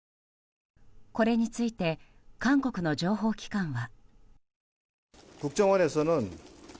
これについて韓国の情報機関は。